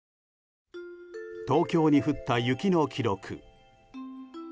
東京に降った雪の記録。